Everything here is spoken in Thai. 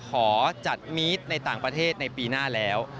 ขอจัดมีดในต่างประเทศในปีหน้าแล้ว